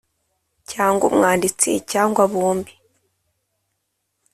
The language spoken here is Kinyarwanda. cyangwa umwanditsi cyangwa bombi